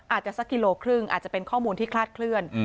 อาจจะสักกิโลเมตรครึ่งอาจจะเป็นข้อมูลที่คลาดเคลื่อนอืม